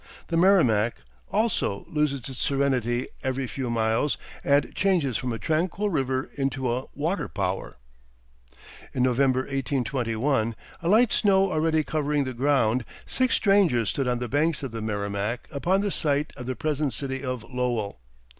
The Merrimac, also, loses its serenity every few miles, and changes from a tranquil river into a water power. In November, 1821, a light snow already covering the ground, six strangers stood on the banks of the Merrimac upon the site of the present city of Lowell.